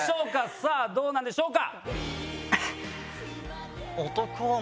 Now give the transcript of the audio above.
さぁどうなんでしょうか？